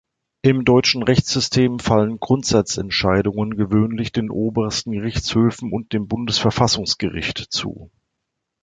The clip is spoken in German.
Im deutschen Rechtssystem fallen Grundsatzentscheidungen gewöhnlich den obersten Gerichtshöfen und dem Bundesverfassungsgericht zu.